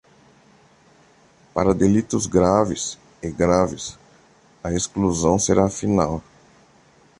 Para delitos graves e graves, a exclusão será final.